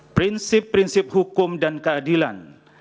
prinsip prinsip hukum dan keadilan